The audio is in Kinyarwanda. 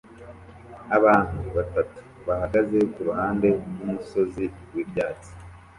abantu batatu bahagaze kuruhande rwumusozi wibyatsi